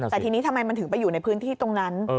แต่ทีนี้ทำไมมันถึงไปอยู่ในพื้นที่ตรงนั้น